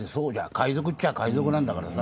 海賊っちゃ海賊なんだからさ。